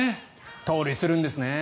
盗塁するんですね。